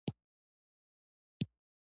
د زهرو د ضد لپاره باید څه شی وکاروم؟